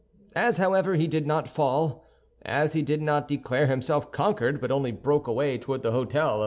As, however, he did not fall, as he did not declare himself conquered, but only broke away toward the hôtel of M.